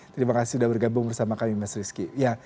terima kasih sudah bergabung bersama kami mas rizky